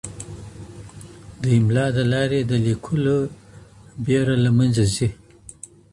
د املا د لاري د لیکلو ېېره له منځه ځي.